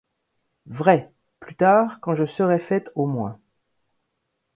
Vrai ! plus tard, quand je serai faite au moins.